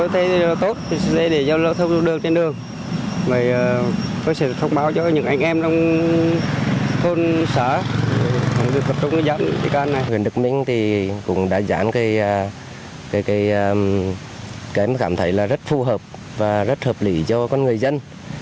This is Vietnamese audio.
thì em cảm thấy là rất phù hợp và rất hợp lý cho con người dân